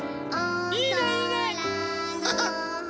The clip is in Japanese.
いいねいいね。